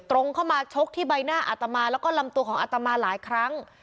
ตรงเข้ามาชกที่ใบหน้าอัตมาแล้วก็ลำตัวของอัตมาหลายครั้ง